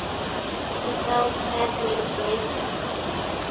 She sells handmade bracelets.